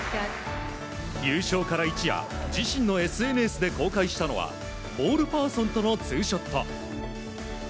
優勝から一夜、自身のＳＮＳで公開したのはボールパーソンとのツーショット。